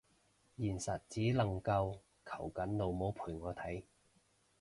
現實只能夠求緊老母陪我睇